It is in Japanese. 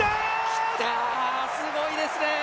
きた、すごいですね。